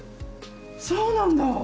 そうなんだ！